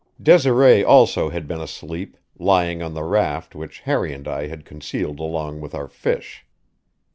Desiree also had been asleep, lying on the raft which Harry and I had concealed along with our fish.